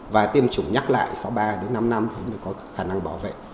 và tiêm chủng nhắc lại sau ba đến năm năm thì có khả năng bảo vệ